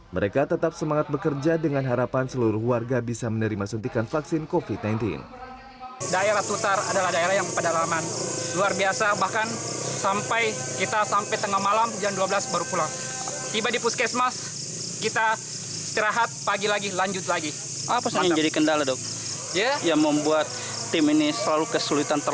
mereka tetap semangat bekerja dengan harapan seluruh warga bisa menerima suntikan vaksinator